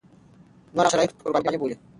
نور هغه د شرايطو قرباني بولي.